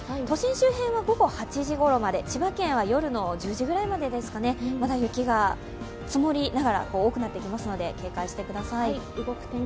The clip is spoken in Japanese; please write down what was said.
都心周辺は午後８時ごろまで、千葉県は夜１０時ごろまで、まだ雪が積もりながら、多くなってきますので警戒してください。